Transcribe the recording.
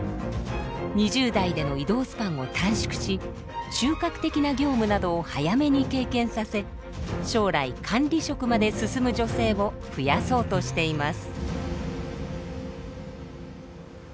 ２０代での異動スパンを短縮し中核的な業務などを早めに経験させ将来管理職まで進む女性を増やそうとしています。